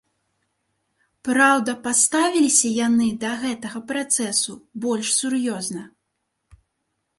Праўда паставіліся яны да гэтага працэсу больш сур'ёзна.